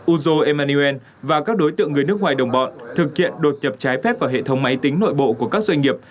uzo emmanuel và các đối tượng người nước ngoài đồng bọn thực hiện đột nhập trái phép vào hệ thống máy tính nội bộ của các doanh nghiệp